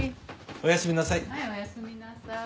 おやすみなさい。